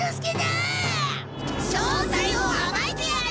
正体をあばいてやる！